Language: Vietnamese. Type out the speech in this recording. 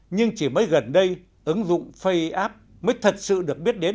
nhưng chỉ mới gần đây ứng dụng faceapp mới thật sự được biết đến